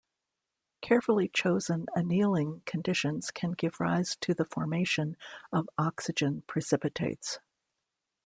Carefully chosen annealing conditions can give rise to the formation of oxygen precipitates.